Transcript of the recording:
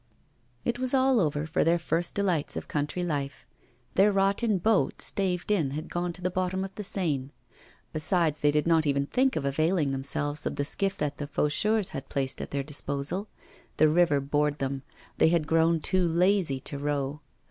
It was all over with their first delights of country life. Their rotten boat, staved in, had gone to the bottom of the Seine. Besides, they did not even think of availing themselves of the skiff that the Faucheurs had placed at their disposal. The river bored them; they had grown too lazy to row.